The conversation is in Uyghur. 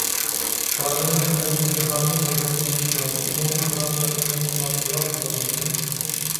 بارغىنىمىز بىلەن بىزگە ھامىي بولىدىغان كىشى چىقمايدۇ، ئۇنىڭدىن كۆرە قايتقىنىمىز ماقۇلراق بولارمىكىن؟